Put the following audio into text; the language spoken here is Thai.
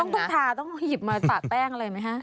ต้องทาต้องหยิบมาสะแป้งอะไรไหมฮะ